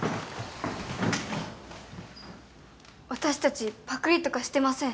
私たちパクリとかしてません。